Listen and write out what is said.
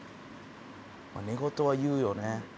まあ寝言は言うよね。